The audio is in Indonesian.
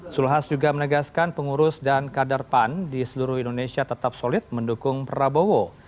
zulkifli hasan juga menegaskan pengurus dan kader pan di seluruh indonesia tetap solid mendukung prabowo